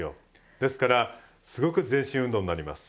ですからすごく全身運動になります。